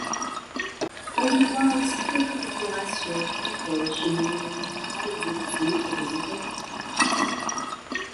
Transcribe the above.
On lui doit aussi quelques décorations, fontaines, cheminées monumentales exécutées pour des hôtels particuliers.